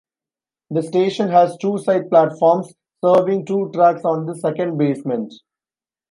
The station has two side platforms serving two tracks on the second basement.